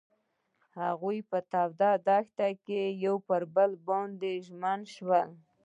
هغوی په تاوده دښته کې پر بل باندې ژمن شول.